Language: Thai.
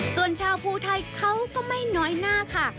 ส่วนชาวภูไทยเขาก็ไม่น้อยหน้าค่ะ